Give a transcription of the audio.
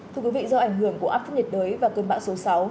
thưa quý vị do ảnh hưởng của áp thấp nhiệt đới và cơn bão số sáu